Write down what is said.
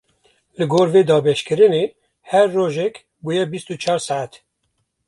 Li gorî vê dabeşkirinê, her rojek bûye bîst û çar saet.